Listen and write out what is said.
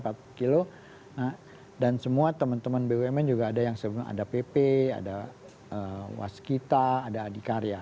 nah dan semua teman teman bumn juga ada yang sebelumnya ada pp ada waskita ada adikarya